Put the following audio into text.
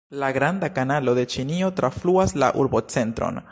La Granda Kanalo de Ĉinio trafluas la urbocentron.